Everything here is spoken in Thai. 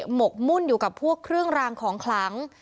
หกมุ่นอยู่กับพวกเครื่องรางของขลัง